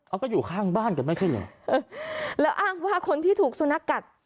เอาก็อยู่ข้างบ้านกันไม่ใช่เหรอเออแล้วอ้างว่าคนที่ถูกสุนัขกัด